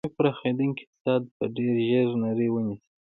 د شوروي پراخېدونکی اقتصاد به ډېر ژر نړۍ ونیسي.